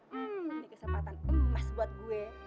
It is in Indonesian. ini kesempatan emas buat gue